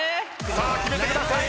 さあ決めてください。